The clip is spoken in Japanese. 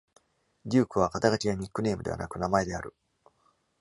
「Duke」は肩書きやニックネームではなく、名前である。